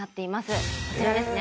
こちらですね。